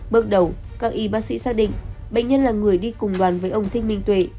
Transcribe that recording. bước đầu các y bác sĩ xác định bệnh nhân là người đi cùng đoàn với ông thích minh tuệ